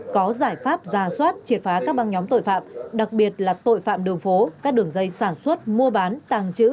có giải pháp giả soát triệt phá các băng nhóm tội phạm đặc biệt là tội phạm đường phố các đường dây sản xuất mua bán tàng trữ